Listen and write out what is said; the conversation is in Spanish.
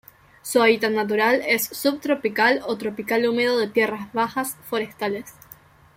Su hábitat natural es subtropical o tropical húmedo de tierras bajas forestales.